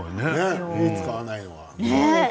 火を使わないで。